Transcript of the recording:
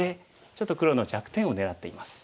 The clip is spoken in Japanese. ちょっと黒の弱点を狙っています。